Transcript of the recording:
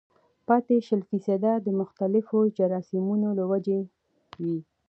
پاتې شل فيصده د مختلفو جراثيمو له وجې وي